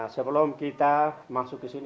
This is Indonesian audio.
sebelum kita masuk ke sini